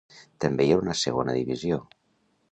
També hi ha una segona divisió.